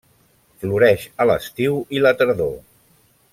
Floreix a l'estiu i la tardor.